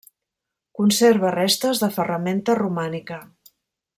Conserva restes de ferramenta romànica.